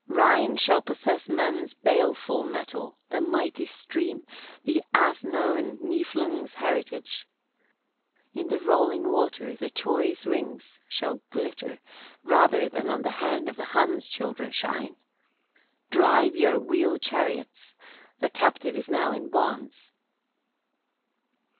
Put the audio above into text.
Rhine shall possess men's baleful metal, the mighty stream, the As known Niflungs' heritage. In the rolling water the choice rings shall glitter, rather than on the hands of the Huns' children shine. 28. "Drive your wheel chariots, the captive is now in bonds."